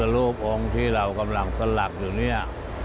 รูปองค์ที่เรากำลังสลักอยู่เนี่ย